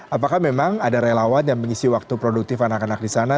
apakah memang ada relawan yang mengisi waktu produktif anak anak di sana